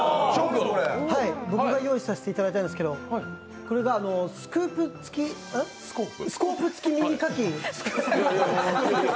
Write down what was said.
僕が用意させていただいたんですけど、スクープつきスコープ付き耳かき。